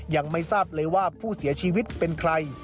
ยังไม่ทราบเลยว่าผู้เสียชีวิตเป็นใคร